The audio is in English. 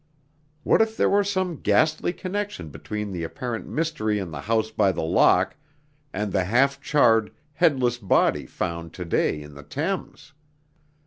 What if there were some ghastly connection between the apparent mystery in the House by the Lock and the half charred, headless body found to day in the Thames!